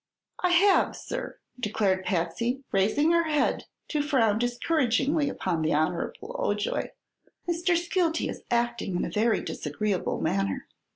"I have, sir!" declared Patsy, raising her head to frown discouragingly upon the Honer'ble Ojoy. "Mr. Skeelty is acting in a very disagreeable manner.